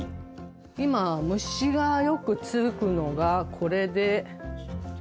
今、虫が、よく付くのがこれで。